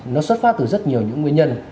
nó xuất phát từ rất nhiều nguyên nhân